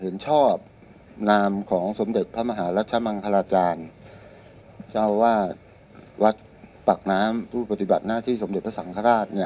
เห็นชอบนามของสมเด็จพระมหารัชมังคลาจารย์เจ้าวาดวัดปากน้ำผู้ปฏิบัติหน้าที่สมเด็จพระสังฆราชเนี่ย